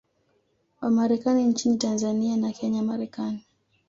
wa Marekani nchini Tanzania na Kenya Marekani